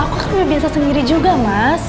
aku kan udah biasa sendiri juga mas